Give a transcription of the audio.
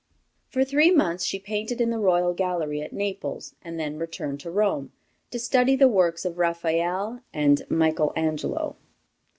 For three months she painted in the Royal Gallery at Naples, and then returned to Rome to study the works of Raphael and Michael Angelo.